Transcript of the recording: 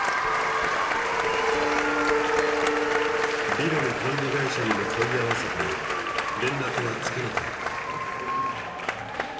ビルの管理会社にも問い合わせたが連絡はつかなかった。